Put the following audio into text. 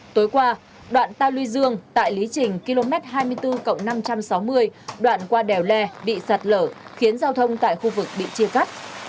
tối qua đoạn ta luy dương tại lý trình km hai mươi bốn năm trăm sáu mươi đoạn qua đèo le bị sạt lở khiến giao thông tại khu vực bị chia cắt